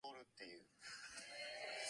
Meanwhile Mooney concocts a plan to leave town.